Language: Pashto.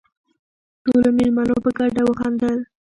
ټولو مېلمنو په ګډه وخندل.